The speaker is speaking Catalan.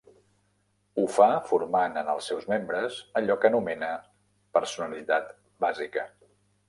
Ho fa formant en els seus membres allò que anomena "personalitat bàsica".